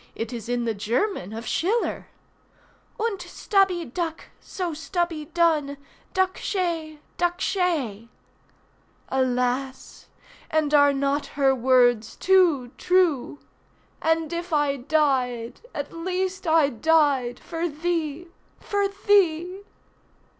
it is in the German of Schiller— "Unt stubby duk, so stubby dun Duk she! duk she!" Alas! and are not her words too true? "And if I died, at least I died For thee—for thee."